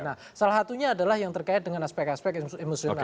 nah salah satunya adalah yang terkait dengan aspek aspek emosional